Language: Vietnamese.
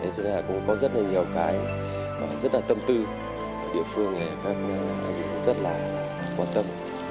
thế nên là cũng có rất là nhiều cái và rất là tâm tư ở địa phương này các vị rất là quan tâm